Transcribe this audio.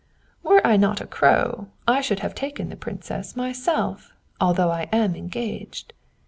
"Were I not a Crow, I should have taken the Princess myself, although I am engaged.